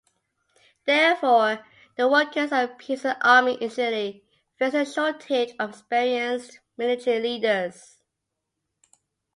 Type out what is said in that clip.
Therefore, the Workers' and Peasants' Army initially faced a shortage of experienced military leaders.